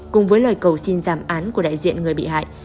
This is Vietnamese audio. cùng với lời cầu xin giảm án của đại diện người bị hại